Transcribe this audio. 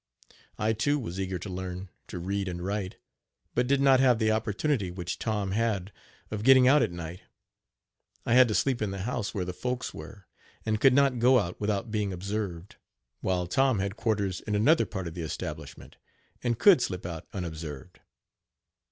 I, too, was eager to learn to read and write, but did not have the opportunity which Tom had of getting out at night. I had to sleep in the house where the folks were, and could not go out without being observed, while Tom had quarters in another part of the establishment, and could slip out unobserved.